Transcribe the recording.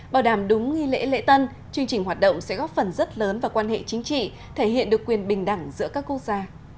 bảo đảm đúng nghi lễ lễ tân chương trình hoạt động sẽ góp phần rất lớn vào quan hệ chính trị thể hiện được quyền bình đẳng giữa các quốc gia